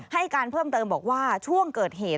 ให้การเพิ่มเติมบอกว่าช่วงเกิดเหตุ